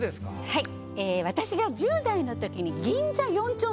はい。